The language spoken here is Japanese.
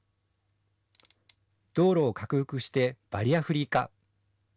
道路を拡幅してバリアフリー化。